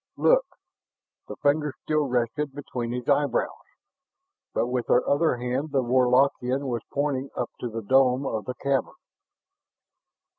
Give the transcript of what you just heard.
"Look!" The fingers still rested between his eyebrows, but with her other hand the Warlockian was pointing up to the dome of the cavern.